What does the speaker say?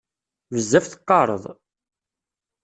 Bezzaf teqqareḍ.